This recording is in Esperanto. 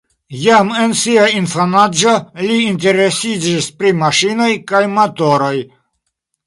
Jam en sia infanaĝo li interesiĝis pri maŝinoj kaj motoroj.